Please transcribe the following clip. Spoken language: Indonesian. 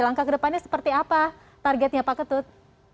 langkah ke depannya seperti apa targetnya pak ketut